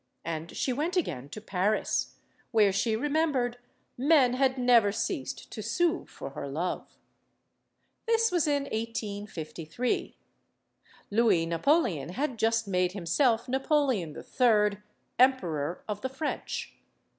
And she went again to Paris, where, she remembered, men had never ceased to sue for her love. This was in 1853. Louis Napoleon had just made himself "Napoleon III., Emperor of the French."